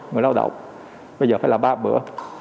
người lao động bây giờ phải là ba bữa